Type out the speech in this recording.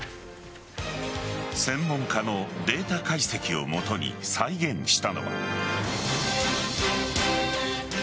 専門家のデータ解析を基に再現したのは。